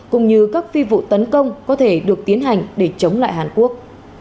cũng như các phi vụ tấn công có thể được tiến hành để chống lại hàn quốc